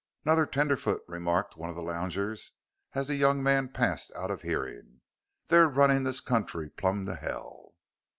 "'Nother tenderfoot," remarked one of the loungers as the young man passed out of hearing; "they're runnin' this country plum to hell!"